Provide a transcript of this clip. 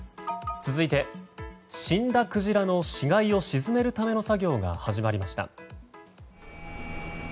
続いて、死んだクジラの死骸を沈めるための作業が始まりました。